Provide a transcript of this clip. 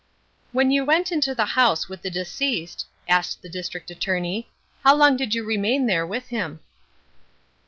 "When you went into the house with the deceased," asked the district attorney, "how long did you remain there with him?"